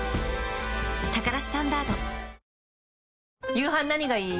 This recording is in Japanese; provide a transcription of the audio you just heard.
夕飯何がいい？